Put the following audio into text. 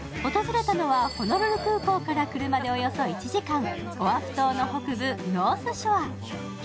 訪れたのはホノルル空港から車でおよそ１時間、オアフ島の北部ノースショア。